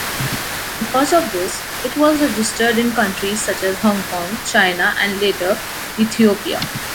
Because of this, it was registered in countries such as Hong Kong, China and later, Ethiopia.